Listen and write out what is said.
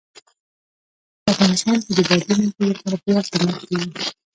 په افغانستان کې د بادي انرژي لپاره پوره اقدامات کېږي.